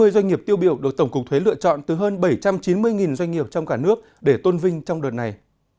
sáu mươi doanh nghiệp tiêu biểu được tổng cục thuế lựa chọn từ hơn bảy trăm chín mươi doanh nghiệp trong cả nước để tôn vinh trong đợt này